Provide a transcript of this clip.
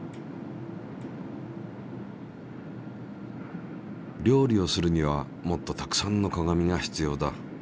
料理をするにはもっとたくさんの鏡が必要だ。